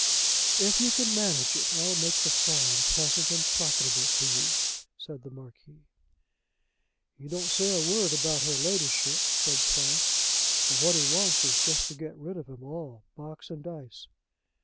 "If you can manage it, I'll make the farm pleasant and profitable to you," said the Marquis. "He don't say a word about her ladyship," said Price; "but what he wants is just to get rid of 'em all, box and dice."